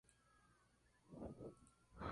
La vida en el Nexo es extremadamente variada.